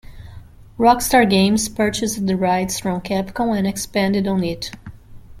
Rockstar Games purchased the rights from Capcom and expanded on it.